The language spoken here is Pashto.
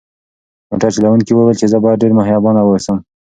موټر چلونکي وویل چې زه باید ډېر مهربان واوسم.